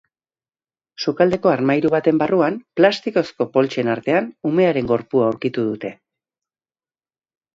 Sukaldeko armairu baten barruan, plastikozko poltsen artean, umearen gorpua aurkitu dute.